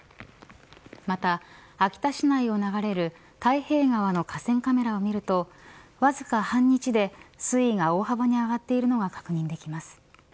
また、秋田市内を流れる太平川の河川カメラを見るとわずか半日で水位が大幅に上がっているのが確認できます。